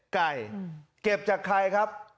ไก่เก็บจากใครครับ